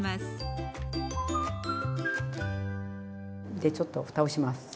でちょっとふたをします。